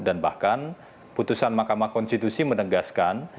dan bahkan putusan mahkamah konstitusi menegaskan